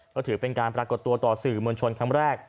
ก็ถือเป็นการปรากฏตัวต่อสื่อมวลชนครั้งแรก